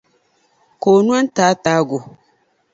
Ka o no n-taataagi o.